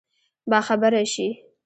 باخبره شي.